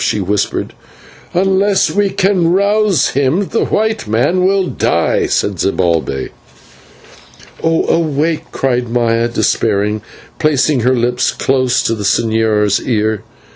she whispered. "Unless we can rouse him the white man will die," said Zibalbay. "Oh! awake," cried Maya despairingly, placing her lips close to the señor's ear.